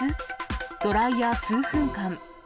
ドライヤー数分間。